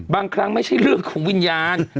บางครั้งไม่ใช่เรื่องของวิญญาณ